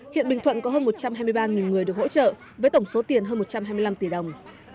hiện bình thuận có hơn một trăm hai mươi ba người được hỗ trợ với tổng số tiền hơn một trăm hai mươi năm tỷ đồng